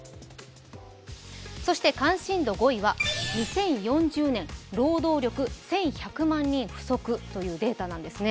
そして関心度５位は２０４０年、労働力１１００万人不足というニュースなんですね。